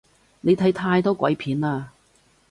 你睇太多鬼片喇